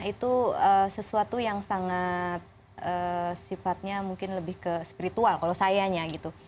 itu sesuatu yang sangat sifatnya mungkin lebih ke spiritual kalau sayanya gitu